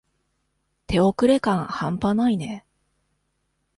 手遅れ感はんぱないね。